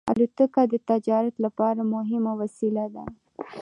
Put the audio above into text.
الوتکه د تجارت لپاره مهمه وسیله ده.